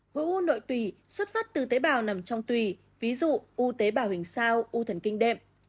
khối u nội tùy xuất phát từ tế bào nằm trong tùy ví dụ u tế bào hình sao u thần kinh đệm